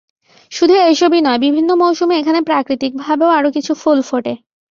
শুধু এসবই নয়, বিভিন্ন মৌসুমে এখানে প্রাকৃতিকভাবেও আরও কিছু ফুল ফোটে।